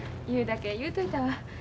言うだけ言うといたわ。